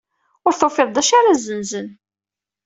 Ur tufiḍ d acu ara zzenzen.